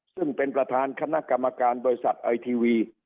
ซึ่งเป็นประธานคณะกรรมการบริษัทไอทีวี